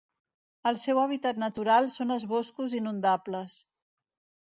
El seu hàbitat natural són els boscos inundables.